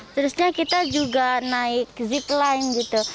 terusnya kita juga naik zip line gitu